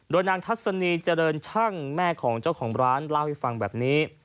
โดยนางทัศนีเจริญช่างแม่ของเจ้าของร้านเล่าให้ฟังแบบนี้